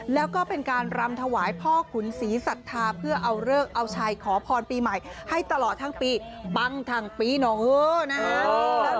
แล้วก็เป็นการรำถวายพ่อขุนศรีศรัทธาเพื่อเอาเลิกเอาชัยขอพรปีใหม่ให้ตลอดทั้งปีบังทั้งปีหน่อเหอะนะฮะ